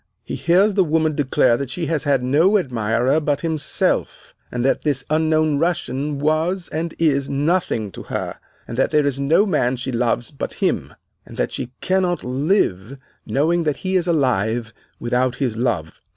He hears the woman declare that she has had no admirer but himself, that this unknown Russian was, and is, nothing to her, that there is no man she loves but him, and that she cannot live, knowing that he is alive, without his love.